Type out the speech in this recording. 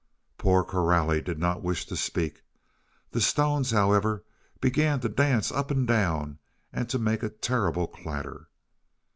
Poor Coralie did not wish to speak. The stones, however, began to dance up and down and to make a terrible clatter.